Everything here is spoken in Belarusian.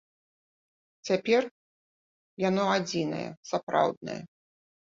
Цяпер яно адзінае сапраўднае.